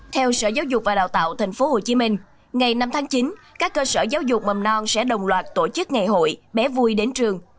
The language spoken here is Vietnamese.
theo sở giáo dục và đào tạo tp hcm ngày năm tháng chín các cơ sở giáo dục mầm non sẽ đồng loạt tổ chức ngày hội bé vui đến trường